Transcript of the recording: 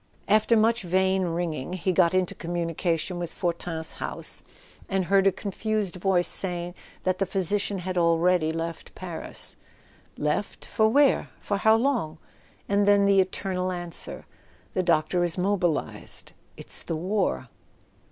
After much vain ringing he got into communication with Fortin's house, and heard a confused voice saying that the physician had already left Paris. "Left—for where? For how long?" And then the eternal answer: "The doctor is mobil¬ ised. It's the war."